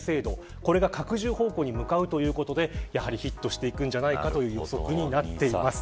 これが拡充方向に向かうということでヒットしていくんじゃないかという予測になっています。